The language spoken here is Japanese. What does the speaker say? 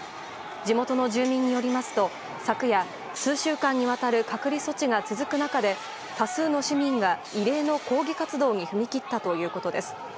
地元の住民によりますと昨夜、数週間にわたる隔離措置が続く中で多数の市民が異例の抗議活動に踏み切ったということです。